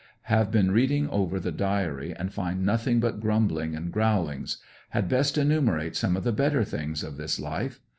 Have been reading over the diary, and find nothing but grumbling and growlings. Had best enumerate some of the better things of this life.